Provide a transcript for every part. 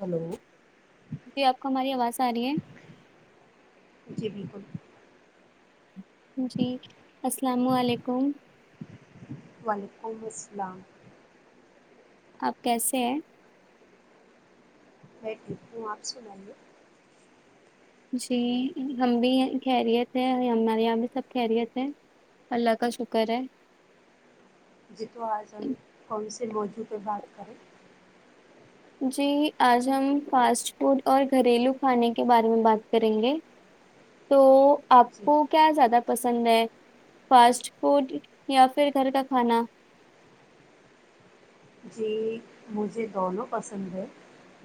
hello جی آپ کو ہماری آواز آ رہی ہے جی بالکل [unintelligible] جی السلام علیکم [unintelligible] امسلام [unintelligible] اب کیسے ہے [unintelligible] بیٹ ہ آس م [unintelligible] جی ہم بھی کہریت تھے ہمارے یہاں بھی سب کہرییت تھے اللہ کا شکر ہے جی تو آرزمی خ [unintelligible] سے بوجو پہ بات کریں [unintelligible] جی آج ہم فاسٹ فوڈ اور گھریلو کھانے کے بارے میں بات کریں گے تو آپ جی کو کیا زیادہ پسند ہے فاسٹ فوڈ یا پھر گھر کا کھانا جی مجھے دونوں پسند ہے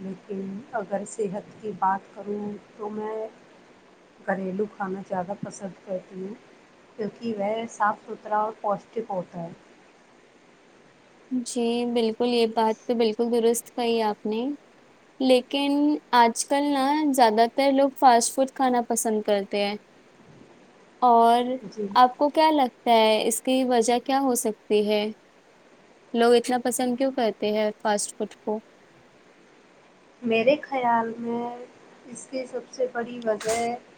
لیکن اگر صحت کی بات کروں تو میں گھریلو کھانا زیادہ پسند کرتی ہوں کیونکہ وہ صاف ستھرا اور پوشٹک ہوتا ہے جی بالکل یہ بات تو بالکل درست کہی آپ نے لیکن آج کل نا زیادہ تر لوگ فاسٹ فوڈ کھانا پسند کرتے ہیں اور جی آپ کو کیا لگتا اس کی وجہ کیا ہو سکتی ہے لوگ اتنا پسند کیوں کرتے ہیں فاسٹ فوڈ کو میرے خیال میں اس کی سب سے بڑی وجہ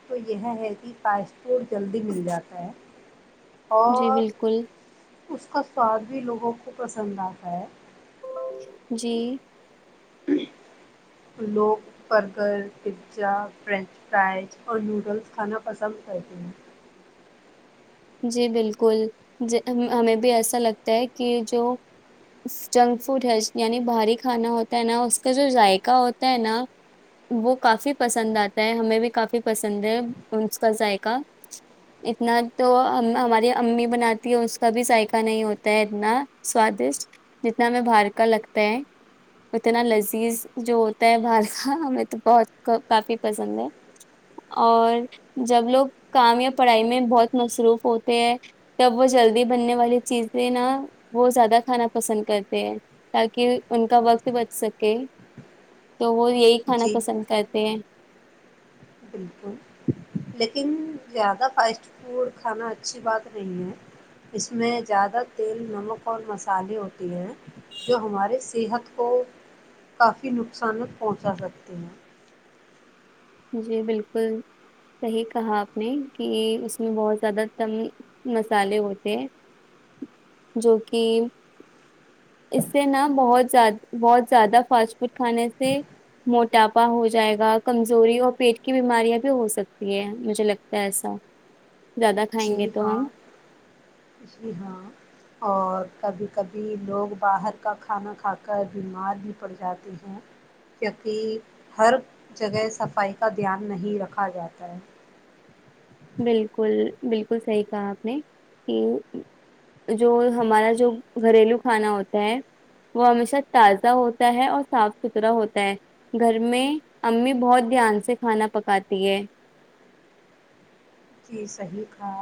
تو یہ ہے کہ کاشت تھ جلدی مل جاتا ہے جی اور بالکل اس کا سواد بھی لوگوں کو پسند آتا ہے جی لوگ برگر پزا فرینچ فرائز اور نوڈلز کھانا پسند کرتے ہیں جی بالکل ہمیں بھی ایسا لگتا ہے کہ جو جنک فوڈ ہے یعنی باہاری کھانا ہوتا ہے نا اس کا جو ذائقہ ہوتا ہے نا وہ کافی پسند آتا ہے ہمیں بھی کافی پسند ہے اس کا ذائقہ اتنا تو ہم ہماری امی بناتی ہے اس کا بھی ذائقہ نہیں ہوتا ہے اتنا سوادشٹ جتنا ہمیں بار کا لگتا ہے اتنا لذیذ جو ہوتا ہے بار کا ہمیں تو بہت کافی پسند ہے اور جب لوگ کام یا پڑھائی میں بہت مصروف ہوتے ہیں تب وہ جلدی بننے والی چیزیں نا وہ زیادہ کھانا پسند کرتے ہیں تاکہ ان کا وقت بچ سکے تو وہ یہی کھانا جی پسند کرتے ہیں بال لیکن زیادہ فاسٹ فوڈ کھانا اچھی بات نہیں ہے اس میں زیادہ تیل نمک اور مسالے ہوتے ہیں جو ہمارے صحت کو کافی نقصانک پہنچا سکتے ہیں جی بالکل صحیح کہا آپ نے کہ اس میں بہت زیادہ تم مسالے ہوتے ہیں جو کہ اس سے نا بہت ز بہت زیادہ فاسٹ فوڈ کھانے سے موٹاپا ہو جائے گا کم چوری اور پیٹ کی بیماریاں بھی ہو سکتی ہے مجھے لگتا ہے ایسا زیادہ جی کھائیں گے تو ہم ہاں جی ہاں اور کبھی کبھی لوگ باہر کا کھانا کھا کر بیمار بھی پڑ جاتے ہیں کیونکہ ہر جگہ صفائی کا دھیان نہیں رکھا جاتا ہے بالکل بالکل صحیح کہا آپ نے کہ جو ہمارا جو گھریلو کھانا ہوتا ہے وہ ہمیشہ تازہ ہوتا ہے اور صاف ستھرا ہوتا ہے گھر میں امی بہت دھیان سے کھانا پکاتی ہے جی صحیح کھا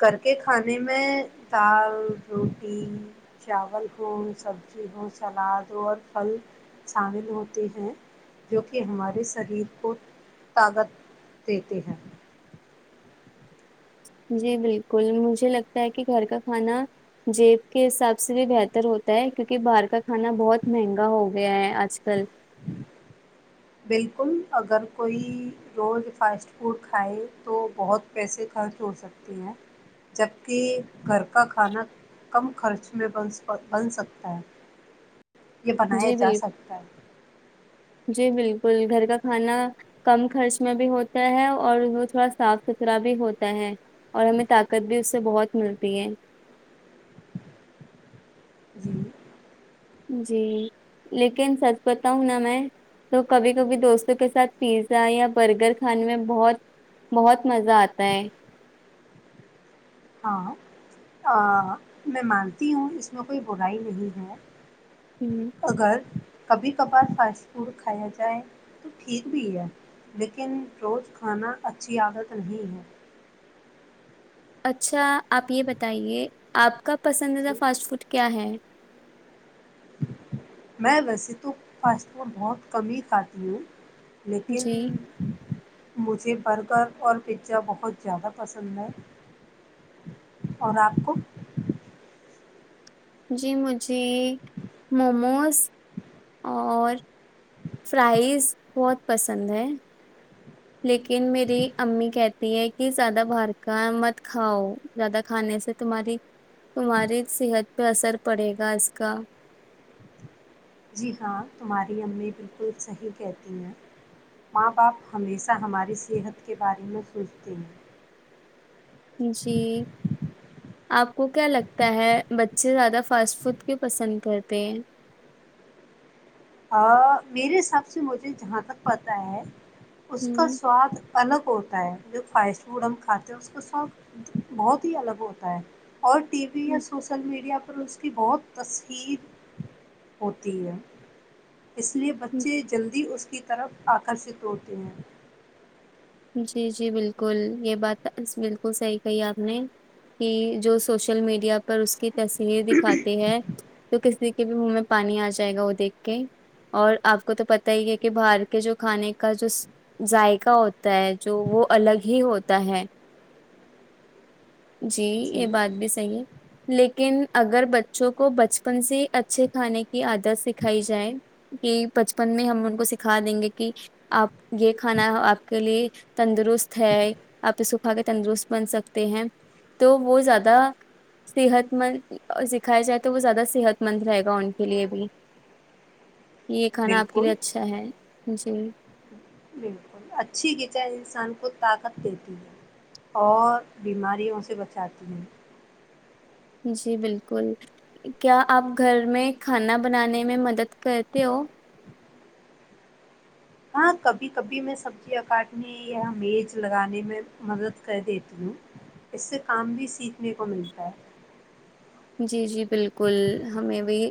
گ کے کھانے میں دال روٹی چاو ہو سبزی ہو سلاد ہو اور پھل شامل ہوتے ہیں جو کہ ہمارے شریر کو طاقت دیتے ہیں جی بالکل مجھے لگتا ہے کہ گھر کا کھانا جیب کے حساب سے بھی بہتر ہوتا ہے کیونکہ باہر کا کھانا بہت مہنگا ہو گیا ہے آج کل بالکل اگر کوئی روز فاسٹ فوڈ کھائے تو بہت پیسے خرچ ہو سکتی ہیں جبکہ گھر کا کھانا کم خرچ میںن بن سکتا ہے یہ بنایا جی جا بال سکتا ہے جی بالکل گھر کا کھانا کم خرچ میں بھی ہوتا ہے اور وہ تھوڑا صاف ستھرا بھی ہوتا ہے اور ہمیں طاقت بھی اس سے بہت ملتی ہے جی جی لیکن سچ بت ہوں نا میں تو کبھی کبھی دوستوں کے ساتھ پیزا یا برگر کھانے میں بہت بہت مزہ آتا ہے ہاں میں مانتی ہوں اس میں کوئی برائی نہیں ہے ہ اگر کبھی کبھار فاسٹ فوڈ کھایا جائے تو ٹھیک بھی ہے لیکن روز کھانا اچھی عادت نہیں ہے اچھا آپ یہ بتائیے آپ کا پسندیدہ جی، فاسٹ فوڈ کیا ہے میں ویسے تو فاسٹ فوڈ بہت کم ہی کھاتی ہوں لیکن جی مجھے برگر اور پزا بہت زیادہ پسند ہے اور آپ کو جی مجھے موموز اور فرائز بہت پسند ہے لیکن میری امی کہتی ہے کہ زیادہ باہر کا مت کھاؤ زیادہ کھانے سے تمہاری تمہاری صحت پہ اثر پڑے گا اس کا جی ہاں تمہاری امی بالکل صحیح کہتی ہیں ماں باپ ہمیشہ ہماری صحت کے بارے میں سوچتے ہیں جی آپ کو کیا لگتا ہے بچے زیادہ فاسٹ فوڈ کیوں پسند کرتے ہیں ا میرے حساب سے مجھے جہاں تک پتا ہے اس کا ہیں سواد الگ ہوتا ہے جو فاسٹ فوڈ ہم کھاتے ہیں اس کا سواد بہت ہی الگ ہوتا ہے اور ٹی وی یا سوسل میڈیا پر اس کی بہت تصہیر ہوتی ہے اس لیے ہ بچے جلدی اس کی طرف آکرشت ہوتے ہیں جی جی بالکل یہ بات بالکل صحیح کہی آپ نے کہ جو سوشل میڈیا پر اس کی تصویر دکھاتی ہے تو کسی کے بھی منہ میں پانی آ جائے گا وہ دیکھ کے اور آپ کو تو پتا ہی ہے کہ باہر کے جو کھانے کا جو ذائقہ ہوتا تا ہے جو وہ الگ ہی ہوتا ہے جی یہ بات بھی صحی ہے لیکن اگر بچوں کو بچپن سے اچھے کھانے کی عادت سکھائی جائے کہ بچپن میں ہم ان کو سکھا دیں گے کہ آپ یہ کھانا آپ کے لیے تندرست ہے آپ سکھا کے تندرست بن سکتے ہیں تو وہ زیادہ صحت مند سکھایا جائے تو وہ زیادہ صحت مند رہے گا ان کے لیے بھی یہ کھانا آپ کے لیے بالکل اچھا ہے جی بالکل اچھی چائی انسان کو طاقت دیتی ہے اور بیماریوں سے بچاتی ہے جی بالکل کیا آپ گھر میں کھانا بنانے میں مدد کرتے ہو ہاں کبھی کبھی میں سبزیاں کاٹنے یامیز لگانے میں مدد کر دیتی ہوں اس سے کام بھی سیکھنے کو ملتا ہے جی جی بالکل ہمیں بھی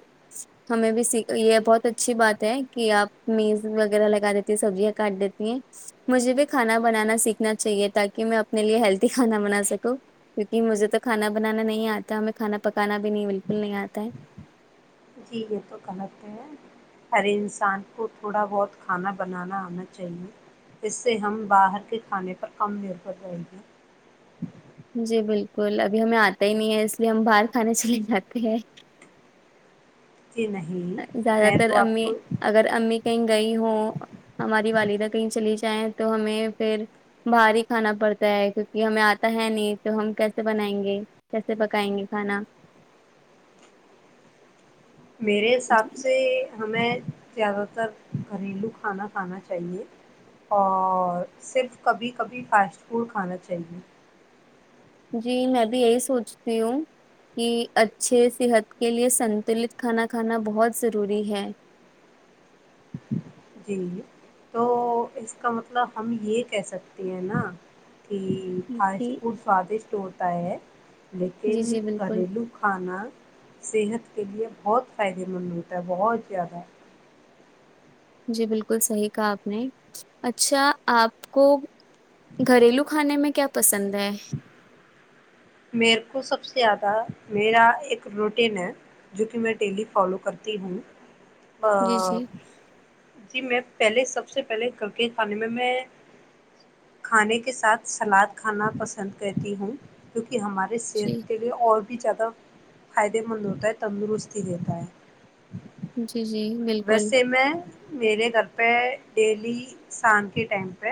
ہمیں بھی س یہ بہت اچھی بات ہے کہ آپ میز وغیرہ لگا دیتی سبزیاں کاٹ دیتی ہیں مجھے بھی کھانا بنانا سیکھنا چاہیے تاکہ میں اپنے لیے ہیلدی کھانا بنا سکوں کیوںکہ مجھے تو کھانا بنانا نہیں آتا ہمیں کھانا پکانا بھی نہیں بالکل نہیں آتا ہے جی یہ تو غلط ہے ہر انسان کو تھوڑا بہت کھانا بنانا آنا چاہیے اس سے ہم باہر کے کھانے پر کم نربھر رہیں گے جی بالکل ابھی ہمیں آتا ہی نہیں ہے اس لیے ہم باہر کھانے چلے جاتے ہیں جی نہیں زیادہ میں تر تو آپ امی کو اگر امی کہیں گے گئی ہ ہماری والدہ کہیں چلی جائیں تو ہمیں پھر باہر ہی کھانا پڑتا ہے کیونکہ ہمیں آتا ہے نہیں تو ہم کیسے بنائیں گے کیسے پکائیں گے کھانا میرے حساب سے ہمیں زیادہ تر گھریلو کھانا کھانا چاہیے اور صرف کبھی کبھی فاسٹ فوڈ کھانا چاہیے جی میں بھی یہی سوچتی ہوں کہ اچھے صحت کے لیے سنتلت کھانا کھانا بہت ضروری ہے جی تو اس کا مطلب ہم یہ کہہ سکتے ہیں نا کہ جی فاسٹ فوڈ سوادشٹ ہوتا ہے لیکن جی جی بالکل گھریلو کھانا [unintelligible] صحت کے لئے بہت فائدے مند ہوتا ہے بہت زیادہ جی بالکل صحیح کہا آپ نے اچھا آپ کو گھریلو کھانے میں کیا پسند ہے میرے کو سب سے زیادہ میرا ایک روٹین ہے جو کہ میں ڈیلی فالو کرتی ہوں جی آ جی [inaudible] جی میں پہلے سب سے پہلے گ کے کھانے میں میں کھانے کے ساتھ سلاد کھانا پسند کرتی ہوں کہ ہمارے جی صحت کے لیے اور [unintelligible] بھی زیادہ فائدے مند ہوتا ہے تندرستی دیتا ہے جچ [inaudible] جی جی بالکل [unintelligible] ویسے میں میرے گھر پہ ڈیلی شام کے ٹائم پہ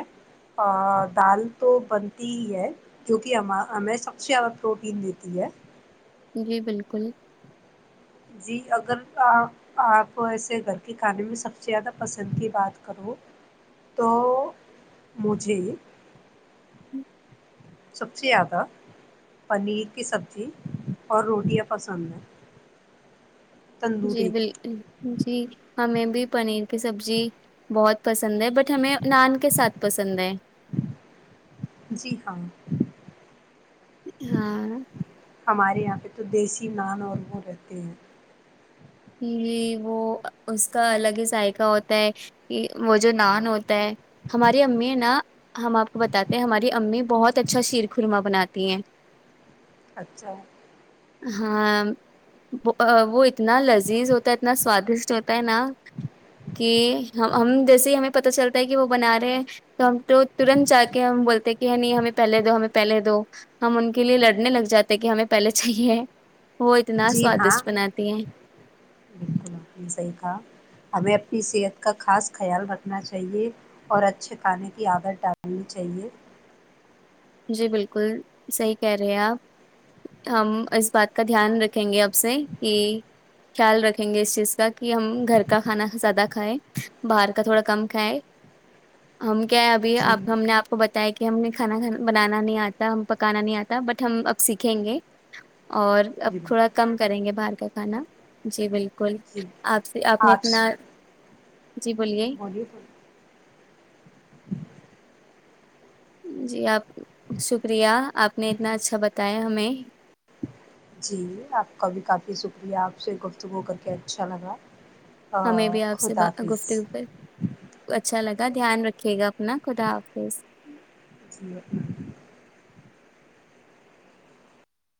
دال تو بنتی ہی ہے جو کہ ہم ہمیں سب سے زیادہ پروٹین دیتی ہے جی بالکل جی اگر آ آپ ایسے گھر کے کھانے میں سب سے زیادہ پسند کی بات کرو تو مجھے سب سے زیادہ پنیر کی سبزی اور روٹیاں پسند ہیں جی تندوری بالکل جی ہمیں بھی پنیر کی سبزی بہت پسند ہے بٹ ہمیں نان کے ساتھ پسند ہے جی ہاں ہاں ہمارے یہاں پہ تو دیسی نان اور وہ رہتے ہیں ج وہ اس کا الگ ہی ذائقہ ہوتا ہے کہ وہ جو نان ہوتا ہے ہماری امی نا ہم آپ کو بتاتے ہیں ہماری امی بہت اچھا شیر خورما بناتی ہیں اچھا ہاں وہ اتنا لز عزیز ہوتا اتنا سوادشٹ ہوتا ہے نا کہ ہم جیسے ہی ہمیں پتا چلتا ہے کہ وہ بنا رہے ہیں تو ہم تو ترنت جا کے ہم بولتے ہیں کہ نہیں ہمیں پہلے دو ہمیں پہلے دو ہم ان کے لیے لڑنے لگ جاتے کہ ہمیں پہلے چاہیے وہ اتنا جی ہاں سوادشٹ بناتی ہیں بالکل آپ نے صحیح کہا ہمیں اپنی صحت کا خاص خیال رکھنا چاہیے اور اچھے کھانے کی آادت ڈالنی چاہیے جی بالکل صحی کہہ رہے ہیں آپ ہم اس بات کا دھیان رکھیں گے اب سے کہ خیال رکھیں گے اس چیز کا کہ ہم گھر کا کھانا زیادہ کھائیں باہر کا تھوڑا کم کھائیں ہم کیا ابھی جی آپ ہم نے آپ کو بتایا کہ کہ ہم نے کانا کانا بنانا نہیں آتا ہم پکانا نہیں آتا بٹ ہم اب سیکھیں گے اور اب جی تھوڑا بالکل کم کریں گے باہر کا نا جی بالکل بالکل جی آپ سے آپ نے اتنا جی بولیے بلیی فڈ جی آپ شکریہ آپ نے اتنا اچھا بتایا ہمیں جی آپ کا بھی کافی شکریہ آپ سے ایک ہفتگو کر کے اچھا لگا ہمیں آ، بھی آپ سے خدا حافظ گفتگ اچھا لگتا کا دھیان رکھے گا اپنا خدا حافظ چل [unintelligible]